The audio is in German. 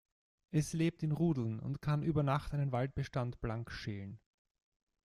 Es lebt in Rudeln und kann „über Nacht“ einen Waldbestand blank schälen.